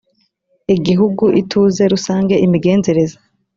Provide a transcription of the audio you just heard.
igihugu ituze rusange imigenzereze